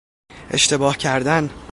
اشتباه کردن